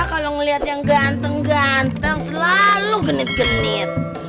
kalau melihat yang ganteng ganteng selalu genit genit